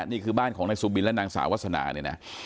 นี่คือบ้านของนายสุบินและนางสาววาสนาเนี่ยนะ